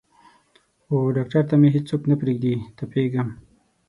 وډاکتر ته مې څوک نه پریږدي تپیږم